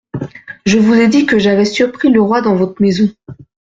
Je vous ai dit que j'avais surpris le roi dans votre maison.